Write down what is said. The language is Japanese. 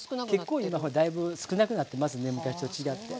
結構今だいぶ少なくなってますね昔と違って。